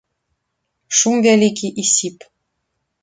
Шум вялікі і сіп.